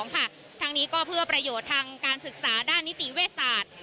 ทางนี้ก็เพื่อประโยชน์ทางการศึกษาด้านนิติเวชศาสตร์